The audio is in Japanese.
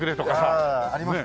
ああありますね。